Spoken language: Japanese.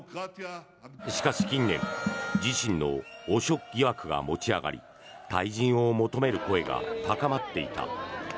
しかし、近年自身の汚職疑惑が持ち上がり退陣を求める声が高まっていた。